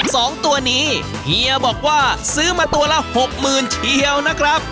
สองตัวนี้เฮียบอกว่าซื้อมาตัวละหกหมื่นเชียวนะครับ